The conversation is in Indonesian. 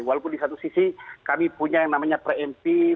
walaupun di satu sisi kami punya yang namanya pre mp